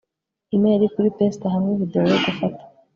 imeri kuri pester hamwe, videwo yo gufata